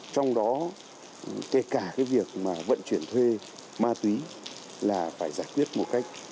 trong đó kể cả cái việc mà vận chuyển thuê ma túy là phải giải quyết một cách